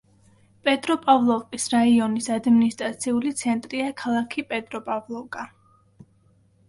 პეტროპავლოვკის რაიონის ადმინისტრაციული ცენტრია ქალაქი პეტროპავლოვკა.